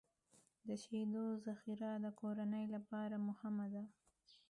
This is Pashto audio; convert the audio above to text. د شیدو ذخیره د کورنۍ لپاره مهمه ده.